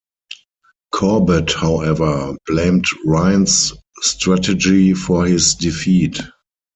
Corbett however, blamed Ryan's strategy for his defeat.